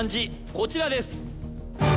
こちらです